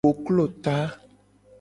Koklo ta.